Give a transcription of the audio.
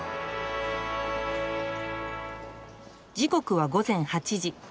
時刻は午前８時。